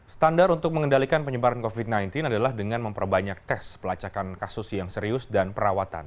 standar untuk mengendalikan penyebaran covid sembilan belas adalah dengan memperbanyak tes pelacakan kasus yang serius dan perawatan